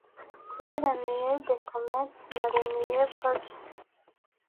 kuri Renier de Comète na Renier Pazzo